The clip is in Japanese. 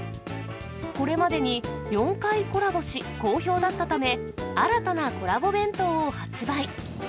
これまでに４回コラボし好評だったため、新たなコラボ弁当を発売。